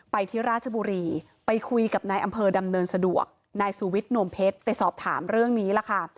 ไปที่ราชบุรีไปคุยกับนายอำเภอดำเนินสะดวกนายสุวิทย์นวมเพชรไปสอบถามเรื่องนี้ล่ะค่ะ